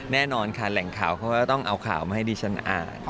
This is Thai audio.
แน่นอนค่ะแหล่งข่าวเขาก็ต้องเอาข่าวมาให้ดิฉันอ่าน